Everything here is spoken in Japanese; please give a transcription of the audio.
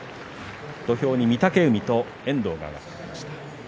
土俵に御嶽海と遠藤が上がりました。